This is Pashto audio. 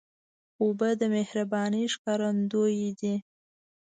اوبه د مهربانۍ ښکارندویي ده.